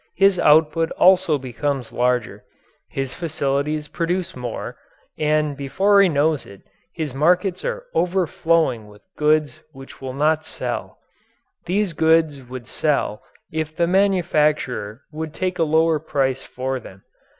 His output also becomes larger his facilities produce more and before he knows it his markets are overflowing with goods which will not sell. These goods would sell if the manufacturer would take a lower price for them.